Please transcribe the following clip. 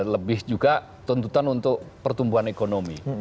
lebih juga tuntutan untuk pertumbuhan ekonomi